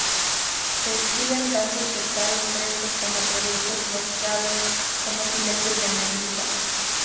Se expiden tantos pescados frescos como productos procesados como filetes de merluza.